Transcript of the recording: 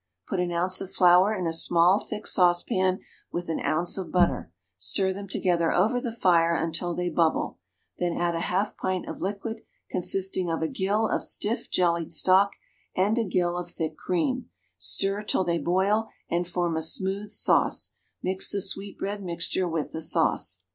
Put an ounce of flour in a small thick saucepan with an ounce of butter; stir them together over the fire until they bubble; then add a half pint of liquid consisting of a gill of stiff jellied stock and a gill of thick cream; stir till they boil and form a smooth sauce; mix the sweetbread mixture with the sauce.